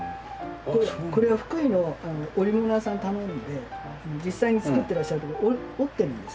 これは福井の織物屋さんに頼んで実際に作ってらっしゃる所で織ってるんです。